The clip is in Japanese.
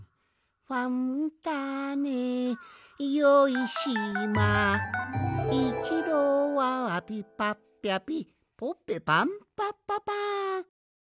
「ファンターネよいしま」「いちどはぴぱっぴゃぴぽぺぱんぱぱぱん」